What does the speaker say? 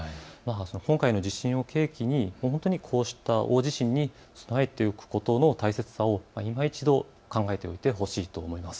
今回の地震を契機に、こうした大地震に備えておくことの大切さを、いま一度考えておいてほしいと思います。